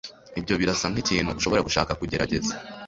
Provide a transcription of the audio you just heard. ibyo birasa nkikintu ushobora gushaka kugerageza